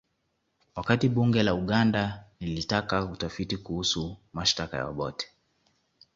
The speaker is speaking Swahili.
Wakati bunge la Uganda lilitaka utafiti kuhusu mashtaka ya Obote